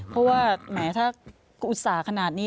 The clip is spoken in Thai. เพราะว่าแหมถ้าอุตส่าห์ขนาดนี้